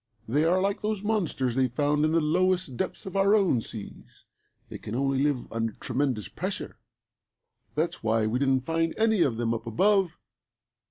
They are like those monsters they found in the lowest depths of our own seas. They can only live under tremendous pressure. That's why we didn't find any of them up above.